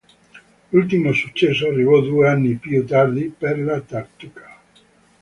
L'ultimo successo arrivò due anni più tardi, per la Tartuca.